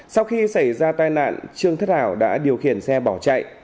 sau khi xảy ra tai nạn trương thất hảo đã điều khiển xe bỏ chạy